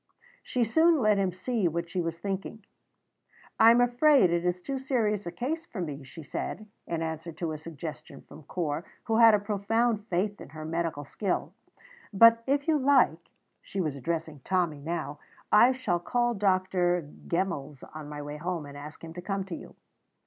She soon let him see what she was thinking. "I am afraid it is too serious a case for me," she said, in answer to a suggestion from Corp, who had a profound faith in her medical skill, "but, if you like," she was addressing Tommy now, "I shall call at Dr. Gemmell's, on my way home, and ask him to come to you."